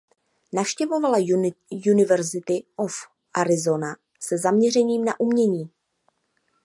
Navštěvovala University of Arizona se zaměřením na umění.